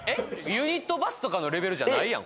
ユニットバスとかのレベルじゃないやん